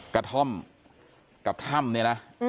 กระท่อมกับถ้ำเนี่ยนะ